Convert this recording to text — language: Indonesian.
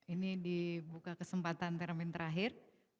ini dibuka kesempatan teramin terakhir